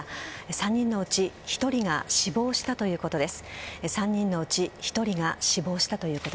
３人のうち１人が死亡したということです。